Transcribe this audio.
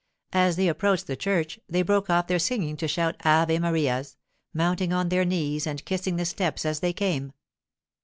As they approached the church they broke off their singing to shout 'Ave Marias,' mounting on their knees and kissing the steps as they came.